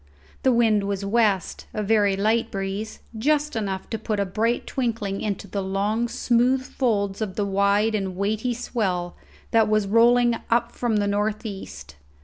The wind was west, a very light breeze, just enough to put a bright twinkling into the long, smooth folds of the wide and weighty swell that was rolling up from the north east.